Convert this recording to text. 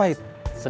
uangnya di rumah